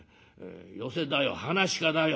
寄席だよ噺家だよ」。